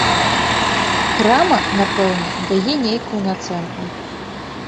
Крама, напэўна, дае нейкую нацэнку.